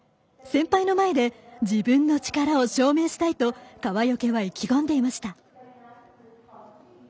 先輩の前で自分の力を証明したいと川除は意気込んでいました。